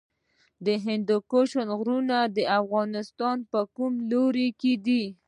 د هندوکش غرونه د افغانستان په کوم لوري کې دي؟